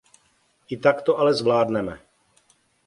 I tak to ale zvládneme.